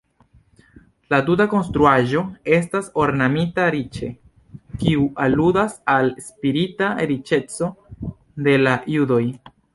La tuta konstruaĵo estas ornamita riĉe, kiu aludas al spirita riĉeco de la judoj.